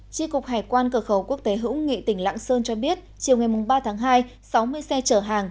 tri cục hải quan cửa khẩu quốc tế hữu nghị tỉnh lạng sơn cho biết chiều ngày ba tháng hai sáu mươi xe chở hàng